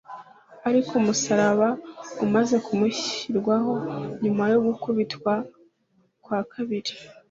Ariko umusaraba umaze kumushyirwaho nyuma yo gukubitwa bwa kabiri,